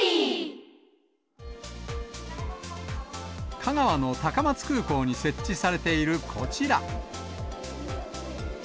香川の高松空港に設置されているこちら。